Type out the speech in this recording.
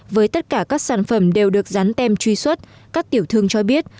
với tất cả các sản phẩm đều được dán tem truy xuất các tiểu thương cho biết